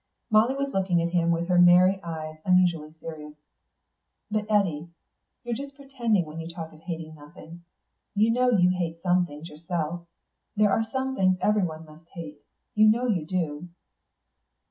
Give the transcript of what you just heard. Molly was looking at him with her merry eyes unusually serious. "But Eddy you're just pretending when you talk of hating nothing. You know you hate some things yourself; there are some things everyone must hate. You know you do."